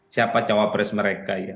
siapa cawapres mereka ya